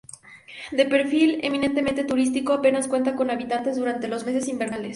De perfil eminentemente turístico, apenas cuenta con habitantes durante los meses invernales.